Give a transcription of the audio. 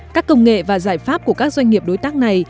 các công nghệ và giải pháp của các doanh nghiệp đối tác này